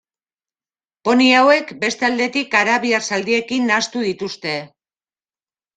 Poni hauek beste aldetik arabiar zaldiekin nahastu dituzte.